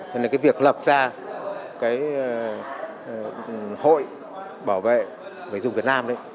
thế nên việc lập ra hội bảo vệ người tiêu dùng việt nam